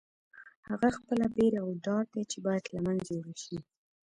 هغه خپله بېره او ډار دی چې باید له منځه یوړل شي.